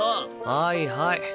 はいはい。